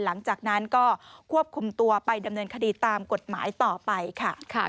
หลังจากนั้นก็ควบคุมตัวไปดำเนินคดีตามกฎหมายต่อไปค่ะ